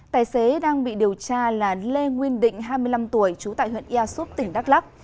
tài xế đang bị điều tra là lê nguyên định hai mươi năm tuổi trú tại huyện ia súp tỉnh đắk lắc